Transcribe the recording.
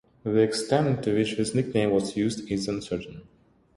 The extent to which this nickname was used is uncertain.